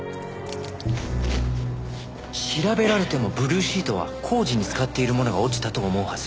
調べられてもブルーシートは工事に使っているものが落ちたと思うはず